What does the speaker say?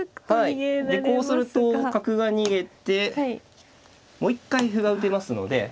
こうすると角が逃げてもう一回歩が打てますので。